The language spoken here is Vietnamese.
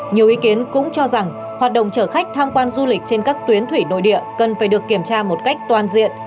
nhiều ý kiến cũng cho rằng hoạt động chở khách tham quan du lịch trên các tuyến thủy nội địa cần phải được kiểm tra một cách toàn diện